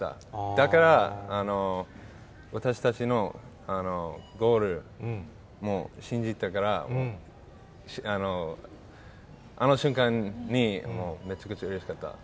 だから私たちのゴールも信じたから、あの瞬間に、めちゃくちゃうれしかった。